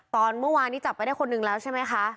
ตอนเมื่อวานนี้จับไปได้คนนึงแล้วใช่ไหมคะ